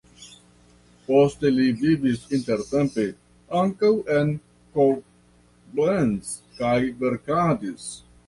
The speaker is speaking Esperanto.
Poste li vivis intertempe ankaŭ en Koblenz kaj verkadis.